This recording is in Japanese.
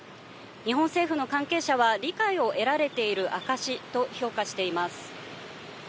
日本政府の関係者は、理解を得られている証しと評価しています。